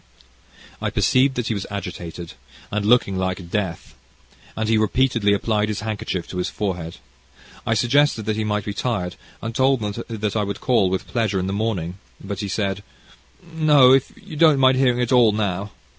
I perceived that he was agitated, and looking like death, and he repeatedly applied his handkerchief to his forehead; I suggested that he might be tired, and told him that I would call, with pleasure, in the morning, but he said: "No, if you don't mind hearing it all now.